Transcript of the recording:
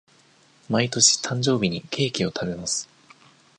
毎年誕生日にケーキを食べます。